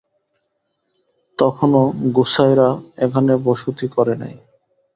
তখনো গোঁসাইরা এখানে বসতি করে নাই।